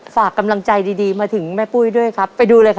เป็นกางเกงนะค่ะพอรีดเสร็จแล้วเด็กน้อยหยิบไม้แขวนเสื้อนะลูกนะค่ะ